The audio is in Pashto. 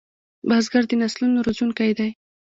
بزګر د نسلونو روزونکی دی